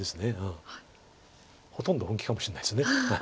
ほとんど本気かもしれないです。